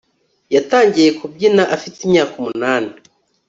Yatangiye kubyina afite imyaka umunani